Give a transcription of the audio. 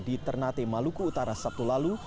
di ternate maluku utara sabtu lalu